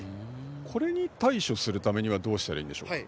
これに対処するためにはどうしたらいいんでしょうか？